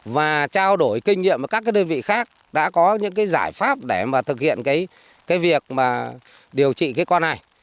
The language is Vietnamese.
và trao đổi kinh nghiệm với các đơn vị khác đã có những giải pháp để thực hiện việc điều trị con này